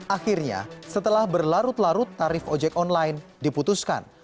akhirnya setelah berlarut larut tarif ojek online diputuskan